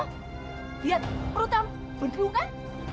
lihat perutnya bener bener kan